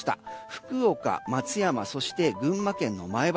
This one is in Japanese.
福岡、松山そして群馬県の前橋。